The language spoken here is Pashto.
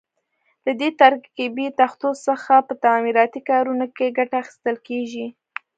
له دې ترکیبي تختو څخه په تعمیراتي کارونو کې ګټه اخیستل کېږي.